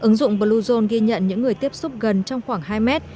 ứng dụng bluezone ghi nhận những người tiếp xúc gần trong khoảng hai mét